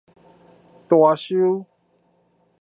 大壽